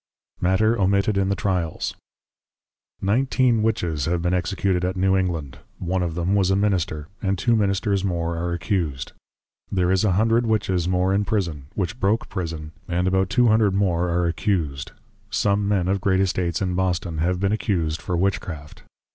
_ MATTER OMITTED IN THE TRIALS. Nineteen Witches have been Executed at New England, one of them was a Minister, and two Ministers more are Accus'd. There is a hundred Witches more in Prison, which broke Prison, and about two Hundred more are Accus'd, some Men of great Estates in Boston, have been accus'd for Witchcraft.